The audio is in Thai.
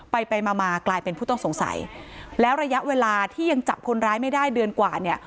ไปไปมามากลายเป็นผู้ต้องสงสัยแล้วระยะเวลาที่ยังจับคนร้ายไม่ได้เดือนกว่าเนี่ย